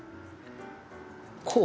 こう？